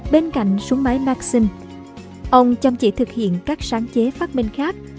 bên cạnh súng máy maxim ông chăm chỉ thực hiện các sáng chế phát minh khác